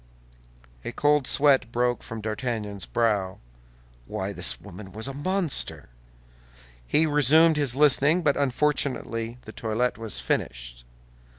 A cold sweat broke from D'Artagnan's brow. Why, this woman was a monster! He resumed his listening, but unfortunately the toilet was finished.